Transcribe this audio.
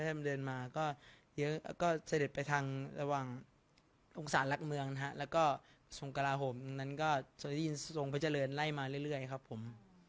คุณเดินเร็นมาก็เยอะก็เสล็ดไปทางระหว่างอวงสารหลักเมืองแล้วก็สงคราโหมอย่างฉ้นเป็นจู้ที่จะเลื่อนไล่มาเรื่อยครับผม